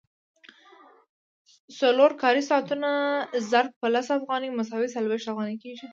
څلور کاري ساعتونه ضرب په لس افغانۍ مساوي څلوېښت افغانۍ کېږي